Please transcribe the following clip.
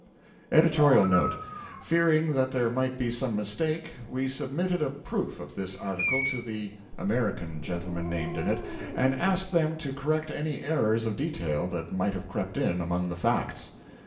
EDITORIAL NOTE Fearing that there might be some mistake, we submitted a proof of this article to the (American) gentlemen named in it, and asked them to correct any errors of detail that might have crept in among the facts.